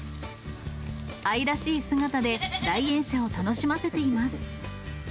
愛らしい姿で、来園者を楽しませています。